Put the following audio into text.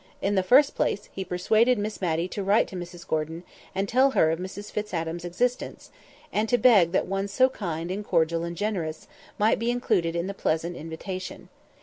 In the first place, he persuaded Miss Matty to write to Mrs Gordon, and to tell her of Mrs Fitz Adam's existence, and to beg that one so kind, and cordial, and generous, might be included in the pleasant invitation.